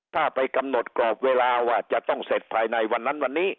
ถ้าไปกำหนดกรอบเวลาว่าจะต้องเสร็จภายในวันนั้นวันนี้